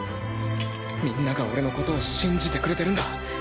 みんなが俺のことを信じてくれてるんだ。